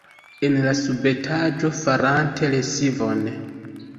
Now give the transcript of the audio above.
En la subetaĝo, farante lesivon.